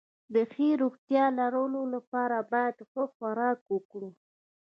د ښې روغتيا لرلو لپاره بايد ښه خوراک وکړو